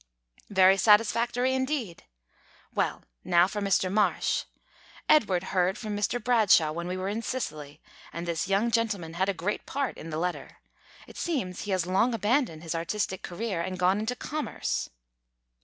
"Very satisfactory indeed. Well, now for Mr. Marsh. Edward heard from Mr. Bradshaw when we were in Sicily, and this young gentleman had a great part in the letter. It seems he has long abandoned his artistic career, and gone into commerce."